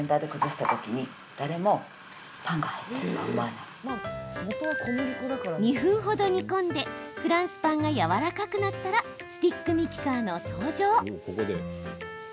その、あるものとは？２分ほど煮込んでフランスパンがやわらかくなったらスティックミキサーの登場。